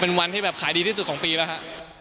เป็นวันที่แบบขายดีที่สุดของปีแล้วครับ